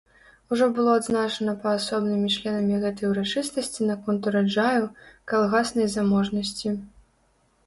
Ужо было адзначана паасобнымі членамі гэтай урачыстасці наконт ураджаю, калгаснай заможнасці.